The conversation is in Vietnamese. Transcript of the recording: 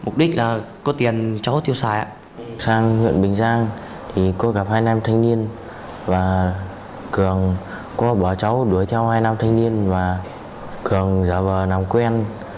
cường có bỏ cháu đuổi theo hai nam thanh niên và cường giả vờ nằm quen